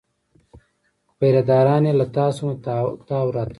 پیره داران یې له تاسونه تاو راتاو دي.